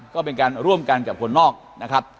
ก็เป็นการร่วมกันกับคนนอกนะครับ